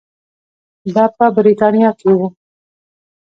دا په برېټانیا کې وو.